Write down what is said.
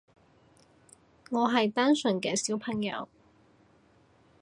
我係單純嘅小朋友